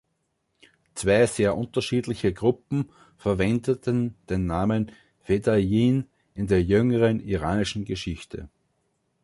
Zwei sehr unterschiedliche Gruppen verwendeten den Namen Fedayeen in der jüngeren iranischen Geschichte.